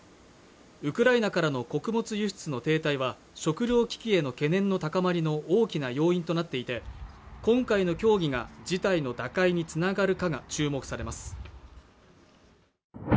ウクライナからの穀物輸出の停滞は食糧危機への懸念の高まりの大きな要因となっていて今回の協議が事態の打開につながるかが注目されます